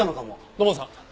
土門さん。